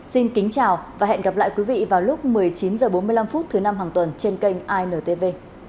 xin kính chào và hẹn gặp lại quý vị vào lúc một mươi chín h bốn mươi năm thứ năm hàng tuần trên kênh intv